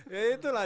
ya itu lah